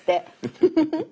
フフフフ。